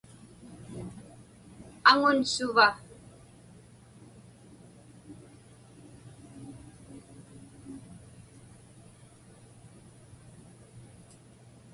Aŋun suva?